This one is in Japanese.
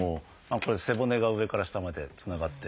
これ背骨が上から下までつながってると。